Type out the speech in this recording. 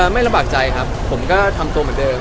ไม่ลำบากใจครับผมก็ทำตัวเหมือนเดิม